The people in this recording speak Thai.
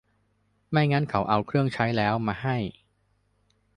ไม่งั้นเขาก็เอาเครื่องใช้แล้วมาให้